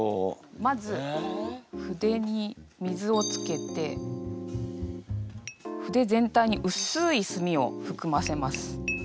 まず筆に水をつけて筆全体にうすい墨をふくませます。